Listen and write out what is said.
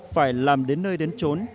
phải làm đến nơi đến trốn